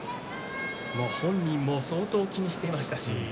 本人も相当気にしていました。